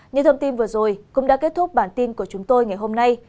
những thông tin vừa rồi cũng đã kết thúc bản tin của chúng tôi ngày hôm nay